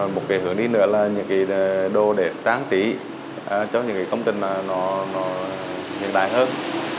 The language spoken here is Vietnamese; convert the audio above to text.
một hướng đi nữa là những đồ để trang trí cho những công ty hiện đại hơn